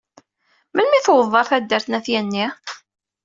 Melmi d-tewwḍeḍ ɣer taddart n At Yanni?